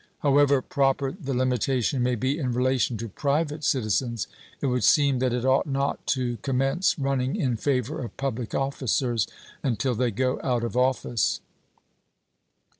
However proper the limitation may be in relation to private citizens, it would seem that it ought not to commence running in favor of public officers until they go out of office.